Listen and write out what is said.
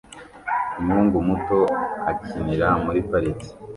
umuhungu muto akinira muri pariki